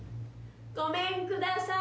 ・ごめんください。